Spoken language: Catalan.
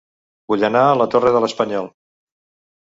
Vull anar a La Torre de l'Espanyol